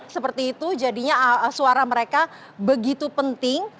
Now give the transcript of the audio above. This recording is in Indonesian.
seperti itu jadinya suara mereka begitu penting